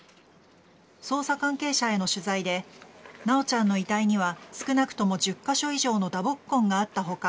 捜査関係者への取材で修ちゃんの遺体には少なくとも１０カ所以上の打撲痕があった他